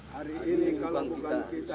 hari ini kalau bukan kita